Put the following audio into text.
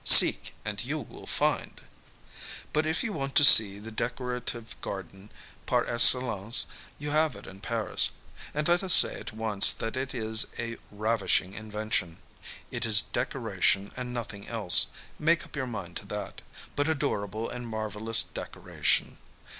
Seek, and you will find ! But if you want to see the decorative garden par ixallenci^ you have it in Paris, and let us say at once that it is a rav ishing invention. It is decoration and nothing else, make up your mind to that, but adorable and marvellous deco ration.